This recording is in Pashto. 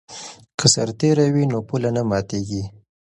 که سرتیری وي نو پوله نه ماتیږي.